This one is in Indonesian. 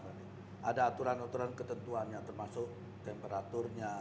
ada aturan aturan ketentuannya termasuk temperaturnya